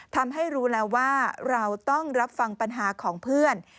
ทำให้รู้แล้วว่าเราต้องรับฟังปัญหาของเพื่อน